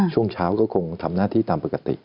ช่วงเช้าก็คงทำหน้าที่ตามปกติ